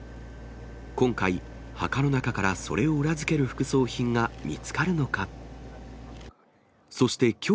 今回、墓の中からそれを裏付ける副葬品が見つかるのか。